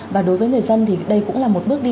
và đối với người dân thì đây cũng là một bước đi